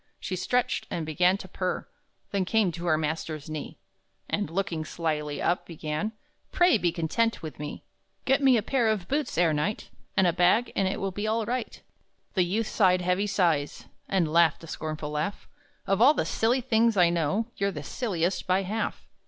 She stretched, and began to purr, Then came to her master's knee, And, looking slyly up, began: "Pray be content with me! Get me a pair of boots ere night, And a bag, and it will be all right!" The youth sighed heavy sighs, And laughed a scornful laugh: "Of all the silly things I know, You're the silliest, by half!"